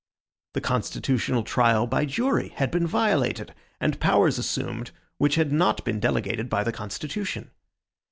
The constitutional trial by jury had been violated, and powers assumed which had not been delegated by the constitution.